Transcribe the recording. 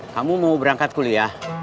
kamu mau berangkat kuliah